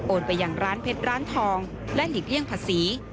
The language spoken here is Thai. ไปอย่างร้านเพชรร้านทองและหลีกเลี่ยงภาษี